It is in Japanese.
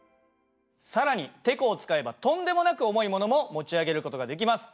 更にてこを使えばとんでもなく重い物も持ち上げる事ができます。